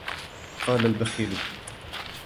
قال البخيل